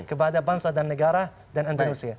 kepada bangsa dan negara dan indonesia